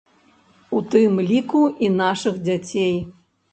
У тым ліку, і нашых дзяцей.